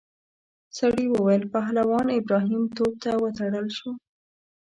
سړي وویل پهلوان ابراهیم توپ ته وتړل شو.